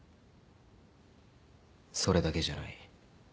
それだけじゃない。